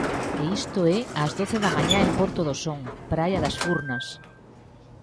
E isto é ás doce da mañá en Porto do Son, praia das Furnas.